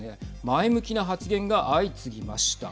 前向きな発言が相次ぎました。